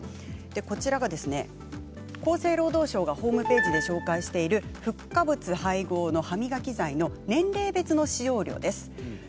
こちらが厚生労働省のホームページで紹介しているフッ化物配合の歯磨き剤の年齢別の使用量です。